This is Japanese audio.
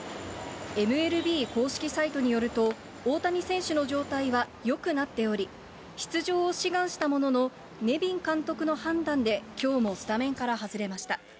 ＭＬＢ公式サイトによると、大谷選手の状態はよくなっており、出場を志願したものの、ネビン監督の判断できょうもスタメンから外れました。